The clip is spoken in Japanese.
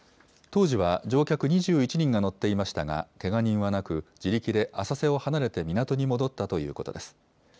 当時は乗客２１人が乗っていましたが、けが人はなく、自力で浅瀬を離れて港に戻ったということです。